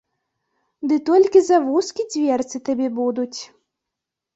Ды толькі завузкі дзверцы табе будуць.